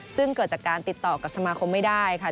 ซึ่งเกิดจากการติดต่อกับสมาคมไม่ได้ค่ะ